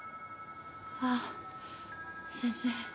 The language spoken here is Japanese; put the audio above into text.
ああ先生。